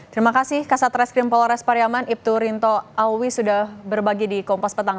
terima kasih kasat reskrim polres pariaman ibtu rinto awi sudah berbagi di kompas petang